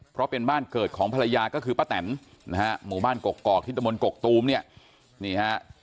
เพราะเป็นบ้านเกิดของภรรยาก็คือป้าแตนนะฮะหมู่บ้านกกอกที่ตะมนตกกตูมเนี่ยนี่ฮะ